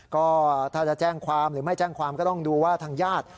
ก็ถ้าจะแจ้งความหรือไม่แจ้งความก็ต้องดูว่าทางญาติ